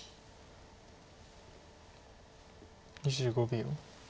２５秒。